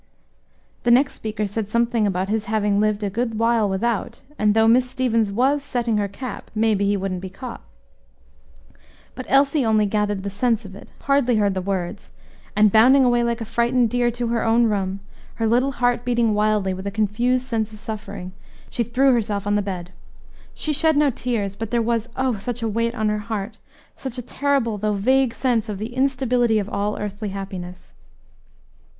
The next speaker said something about his having lived a good while without, and though Miss Stevens was setting her cap, maybe he wouldn't be caught. But Elsie only gathered the sense of it, hardly heard the words, and, bounding away like a frightened deer to her own room, her little heart beating wildly with a confused sense of suffering, she threw herself on the bed. She shed no tears, but there was, oh! such a weight on her heart, such a terrible though vague sense of the instability of all earthly happiness.